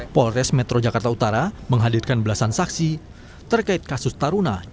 polres metro jakarta utara menghadirkan belasan saksi terkait kasus taruna